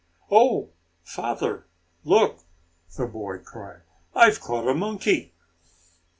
"Oh, father, look!" the boy cried. "I've caught a monkey."